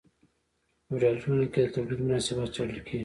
په فیوډالي ټولنه کې د تولید مناسبات څیړل کیږي.